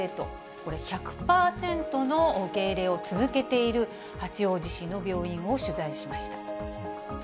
これ１００％の受け入れを続けている八王子市の病院を取材しました。